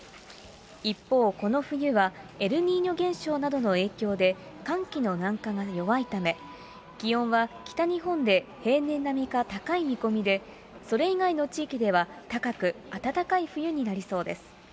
一方、この冬はエルニーニョ現象などの影響で、寒気の南下が弱いため、気温は北日本で平年並みか高い見込みで、それ以外の地域では高く、暖かい冬になりそうです。